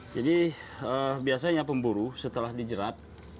jadi biasanya pemburu setelah dijerat